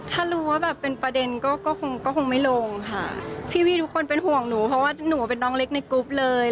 ถ้ารู้เป็นประเด็นก็คงไม่ลงพี่ทุกคนเป็นห่วงหนูเพราะว่าหนูเป็นน้องเล็กในกรปเลย